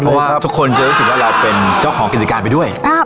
เพราะว่าทุกคนจะรู้สึกว่าเราเป็นเจ้าของกิจการไปด้วย